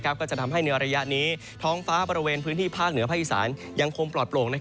ก็จะทำให้ในระยะนี้ท้องฟ้าบริเวณพื้นที่ภาคเหนือภาคอีสานยังคงปลอดโปร่ง